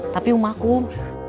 tapi umah kum